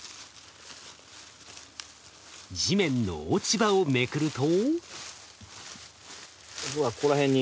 地面の落ち葉をめくると。